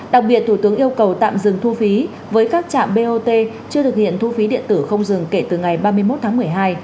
đặc biệt thủ tướng yêu cầu tạm dừng thu phí với các trạm bot chưa thực hiện thu phí điện tử không dừng kể từ ngày ba mươi một tháng một mươi hai